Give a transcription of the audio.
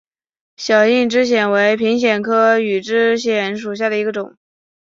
小硬枝藓为平藓科羽枝藓属下的一个种。